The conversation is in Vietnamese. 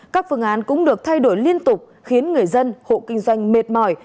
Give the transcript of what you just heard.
các phương án cũng được thay đổi liên tục khiến người dân hộ kinh doanh mệt mỏi